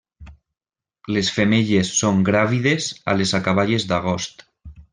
Les femelles són gràvides a les acaballes d'agost.